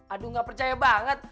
aduh gak percaya banget